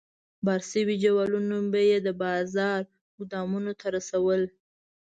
بار شوي جوالونه به یې د بازار ګودامونو ته رسول.